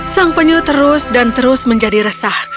sang penyu terus dan terus menjadi resah